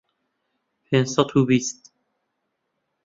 پێنج سەد و بیست